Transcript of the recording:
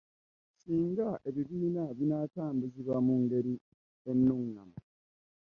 Singa ebibiina binaatambuzibwa mu ngeri ennungamu.